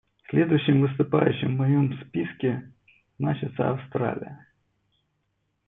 Следующим выступающим в моем списке значится Австралия.